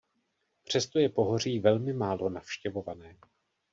Přesto je pohoří velmi málo navštěvované.